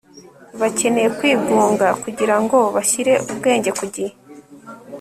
Bakeneye kwigunga kugira ngo bashyire ubwenge ku gihe